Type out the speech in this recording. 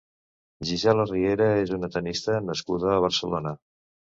Gisela Riera és una tennista nascuda a Barcelona.